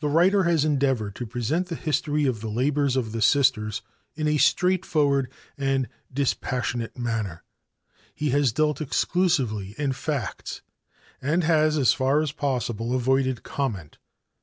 The writer has endeavored to present the history of the labors of the Sisters in a straightforward and dispassionate manner. He has dealt exclusively in facts and has, as far as possible, avoided comment.